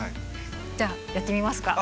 じゃあやってみますか。